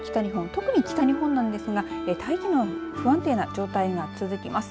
特に北日本なんですが大気の不安定な状態が続きます。